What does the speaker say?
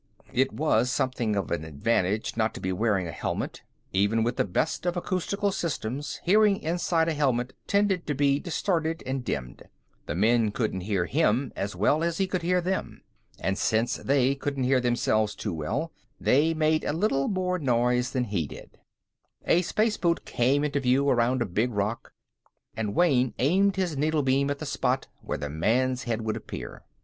It was something of an advantage not to be wearing a helmet. Even with the best of acoustical systems, hearing inside a helmet tended to be distorted and dimmed. The men couldn't hear him as well as he could hear them. And since they couldn't hear themselves too well, they made a little more noise than he did. A space boot came into view around a big rock, and Wayne aimed his needle beam at the spot where the man's head would appear.